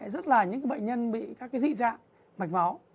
rất là những bệnh nhân bị các dị trạng mạch máu